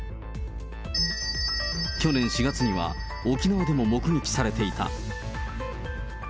去年４月には沖縄でも目撃されていた。